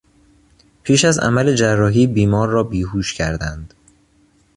پیش از عمل جراحی بیمار را بیهوش کردند.